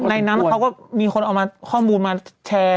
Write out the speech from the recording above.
ในนั้นเขาก็มีคนเอามาข้อมูลมาแชร์